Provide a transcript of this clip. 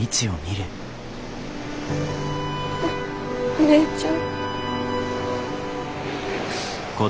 お姉ちゃん。